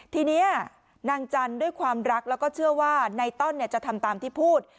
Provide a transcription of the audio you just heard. ทีนี้นางจันทร์ด้วยความรักแล้วก็เชื่อว่านายต้อนจะทำตามที่พูด